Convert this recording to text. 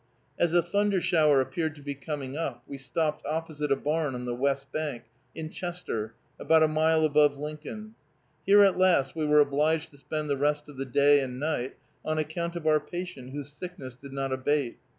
As a thunder shower appeared to be coming up, we stopped opposite a barn on the west bank, in Chester, about a mile above Lincoln. Here at last we were obliged to spend the rest of the day and night, on account of our patient, whose sickness did not abate.